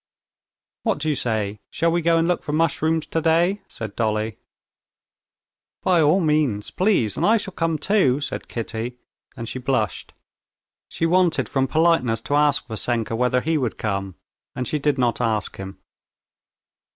"What do you say, shall we go and look for mushrooms today?" said Dolly. "By all means, please, and I shall come too," said Kitty, and she blushed. She wanted from politeness to ask Vassenka whether he would come, and she did not ask him.